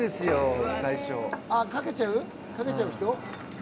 かけちゃう人？